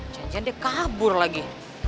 janjian dia kabur lagi